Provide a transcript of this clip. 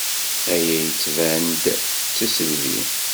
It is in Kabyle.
Aya yettban-d d tisselbi.